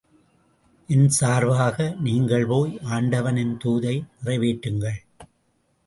என் சார்பாக, நீங்கள் போய் ஆண்டவனின் தூதை நிறைவேற்றுங்கள்.